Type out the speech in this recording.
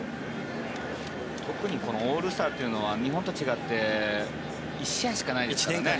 特にこのオールスターというのは日本と違って１試合しかないですからね。